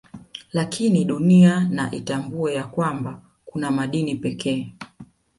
Lakini Dunia na itambue ya kwanba kuna madini pekee